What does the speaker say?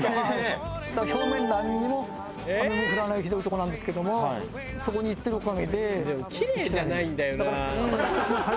表面なんにも雨も降らないひどいとこなんですけどもそこにいってるおかげで生きてるんです。